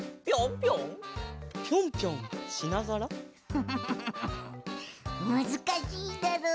フフフフフフむずかしいだろう。